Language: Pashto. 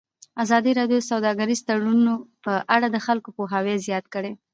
ازادي راډیو د سوداګریز تړونونه په اړه د خلکو پوهاوی زیات کړی.